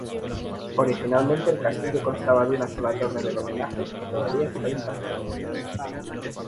Originalmente el castillo constaba de una sola torre del homenaje, que todavía está intacta.